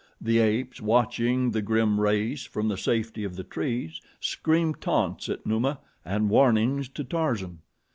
The apes, watching the grim race from the safety of the trees, screamed taunts at Numa and warnings to Tarzan.